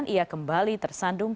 ia kembali tersandung